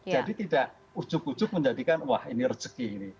jadi tidak ujug ujug menjadikan wah ini rezeki ini